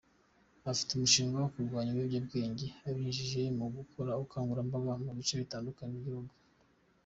Afite umushinga wo kurwanya ibiyobyabwenge abinyujije mu gukora ubukangurambaga mu bice bitandukanye by’Igihugu.